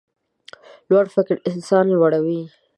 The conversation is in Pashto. لوړ فکر انسان لوړوي.